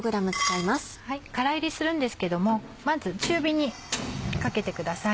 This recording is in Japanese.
空炒りするんですけどもまず中火にかけてください。